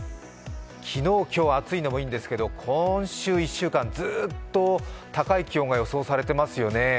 昨日、今日、暑いのもいいんですが、今週１週間、ず−っと高い気温が予想されていますよね。